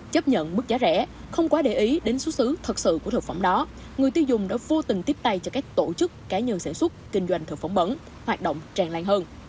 chấp nhận mức giá rẻ không quá để ý đến xuất xứ thật sự của thực phẩm đó người tiêu dùng đã vô tình tiếp tay cho các tổ chức cá nhân sản xuất kinh doanh thực phẩm bẩn hoạt động tràn lan hơn